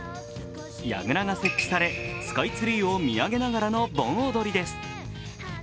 やぐらが設置され、スカイツリーを見上げながらの盆踊りです。